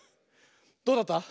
どうだった？